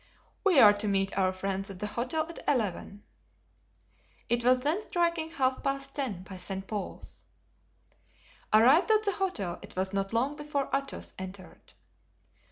"We are to meet our friends at the hotel at eleven." It was then striking half past ten by St. Paul's. Arrived at the hotel it was not long before Athos entered.